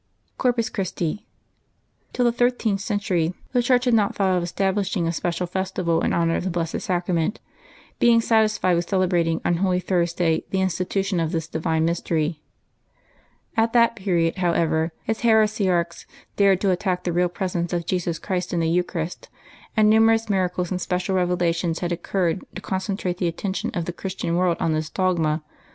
CORPUS CHRISTL ^<iLL the thirteenth century the Church had not V^ thought of establishing a special festival in honor of the Blessed Sacrament, being satisfied with celebrating on Holy Thursday the institution of this divine mystery. At that period, however, as heresiarchs dared to attack the Real Presence of Jesus Christ in the Eucharist, and nu merous miracles and special revelations had occurred to concentrate the attention of the Christian world on this dogma.